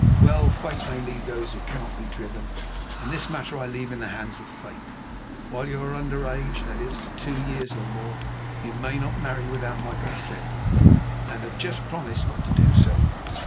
Well, Fate may lead those who cannot be driven, and this matter I leave in the hands of Fate. While you are under age—that is, for two years or more—you may not marry without my consent, and have just promised not to do so.